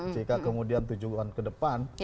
jika kemudian tujuan ke depan